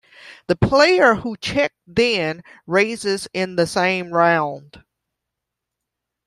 The player who checked then raises in the same round.